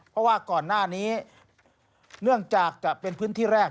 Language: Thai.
เพราะว่าก่อนหน้านี้เนื่องจากจะเป็นพื้นที่แรก